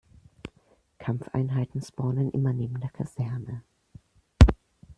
Kampfeinheiten spawnen immer neben der Kaserne.